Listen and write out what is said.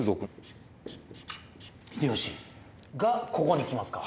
秀吉がここに来ますか。